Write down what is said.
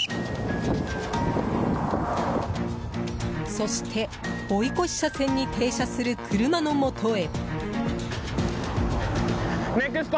そして追い越し車線に停車する車のもとへ。